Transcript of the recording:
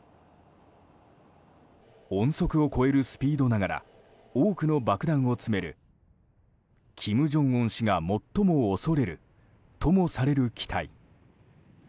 音速を超えるスピードながら多くの爆弾を積める金正恩氏が最も恐れるともされる機体。